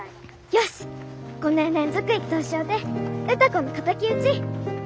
よし５年連続１等賞で歌子の敵討ち！